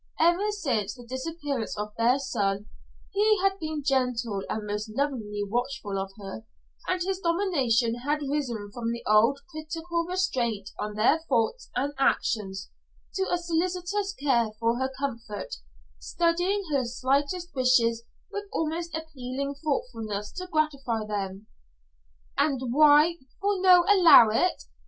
Ever since the disappearance of their son, he had been gentle and most lovingly watchful of her, and his domination had risen from the old critical restraint on her thoughts and actions to a solicitous care for her comfort, studying her slightest wishes with almost appealing thoughtfulness to gratify them. "And why for no allow it?